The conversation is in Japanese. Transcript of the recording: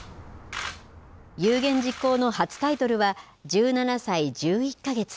有言実行の初タイトルは１７歳１１か月。